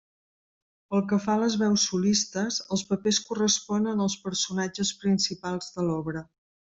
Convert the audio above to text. Pel que fa a les veus solistes, els papers corresponen als personatges principals de l'obra.